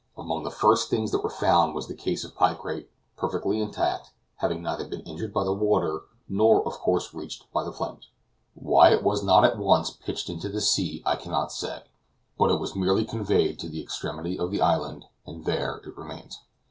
Among the first things that were found was the case of picrate, perfectly intact, having neither been injured by the water, nor of course reached by the flames. Why it was not at once pitched into the sea I cannot say; but it was merely conveyed to the extremity of the island, and there it remains.